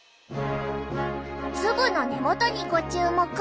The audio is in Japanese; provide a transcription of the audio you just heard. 粒の根元にご注目。